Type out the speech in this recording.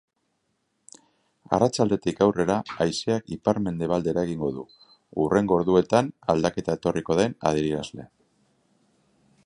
Arratsaldetik aurrera haizeak ipar-mendebaldera egingo du, hurrengo orduetan aldaketa etorriko den adierazle.